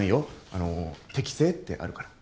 あの適性ってあるから。